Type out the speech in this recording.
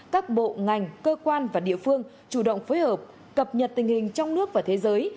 các bộ ngành cơ quan và địa phương chủ động phối hợp cập nhật tình hình trong nước và thế giới